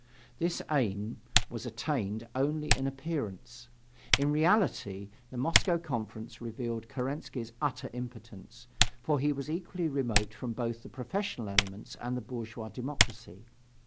This aim was attained only in appearance. In reality, the Moscow Conference revealed Kerensky's utter impotence, for he was equally remote from both the professional elements and the bourgeois democracy.